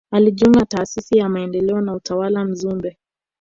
Alijiunga na taasisi ya maendeleo na utawala Mzumbe